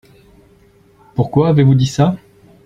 Pourquoi avez-vous dit ça ?